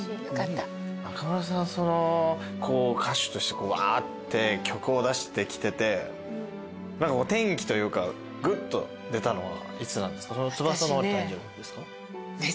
中村さんは歌手としてわって曲を出してきてて何か転機というかぐっと出たのはいつなんですか？